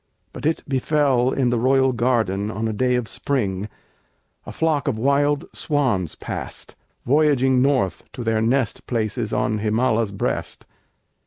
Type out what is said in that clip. But it befell In the royal garden on a day of spring, A flock of wild swans passed, voyaging north To their nest places on Himála's breast.